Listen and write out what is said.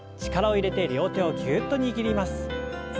力を入れて両手をぎゅっと握ります。